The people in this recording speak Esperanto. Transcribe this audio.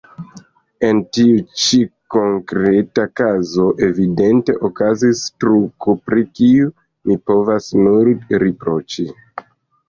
En tiu ĉi konkreta kazo evidente okazis truko, pri kiu mi povas nur riproĉi.